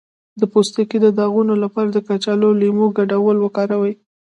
د پوستکي د داغونو لپاره د کچالو او لیمو ګډول وکاروئ